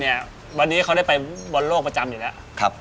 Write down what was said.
๒๐๕๐เนี่ยวันนี้เขาได้ไปบอลโลกประจำอยู่แล้ว